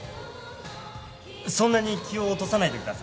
そんなに気を落とさないでください。